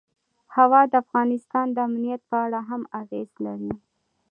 هوا د افغانستان د امنیت په اړه هم اغېز لري.